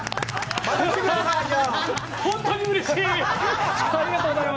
本当にうれしい！